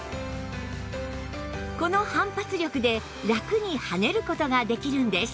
この反発力でラクに跳ねる事ができるんです